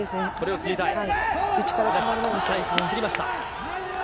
切りました。